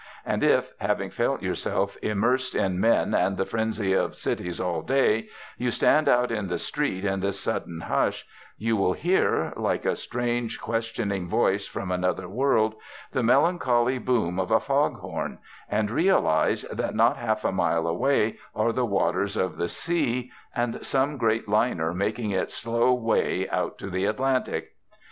And if, having felt yourself immersed in men and the frenzy of cities all day, you stand out in the street in this sudden hush, you will hear, like a strange questioning voice from another world, the melancholy boom of a foghorn, and realise that not half a mile away are the waters of the sea, and some great liner making its slow way out to the Atlantic.